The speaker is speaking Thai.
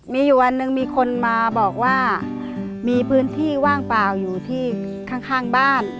มีอยู่วันหนึ่งมีคนมาบอกว่ามีพื้นที่ว่างเปล่าอยู่ที่ข้างบ้าน